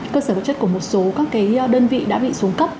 cơ sở vật chất của một số các đơn vị đã bị xuống cấp